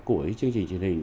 của chương trình truyền hình